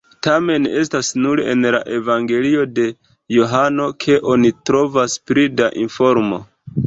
Tamen, estas nur en la Evangelio de Johano ke oni trovas pli da informo.